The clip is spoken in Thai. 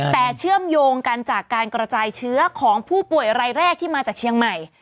แต่เชื่อมโยงกันจากการกระจายเชื้อของผู้ป่วยรายแรกที่มาจากเชียงใหม่